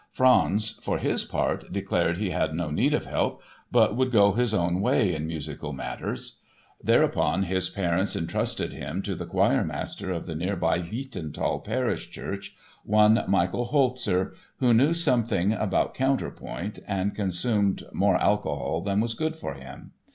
Franz, for his part, declared he had no need of help but would go his own way in musical matters. Thereupon his parents entrusted him to the choirmaster of the nearby Lichtental parish church, one Michael Holzer, who knew something about counterpoint and consumed more alcohol than was good for him.